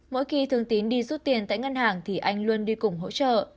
mỗi khi thường tín đi rút tiền tại ngân hàng thì anh luôn đi cùng hỗ trợ